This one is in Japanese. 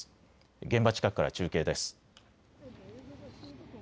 現場近くから中継です。